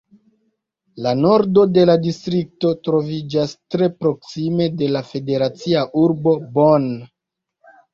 La nordo de la distrikto troviĝas tre proksime de la federacia urbo Bonn.